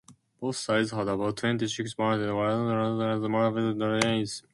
Both sides had about twenty-six battleships as well as several smaller vessels.